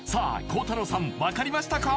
孝太郎さん分かりましたか？